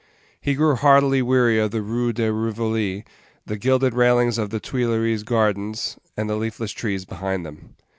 He grew heartily weary of the Rue de Rivoli, the gilded railings of the Tuileries gardens, and the leafless trees behind them.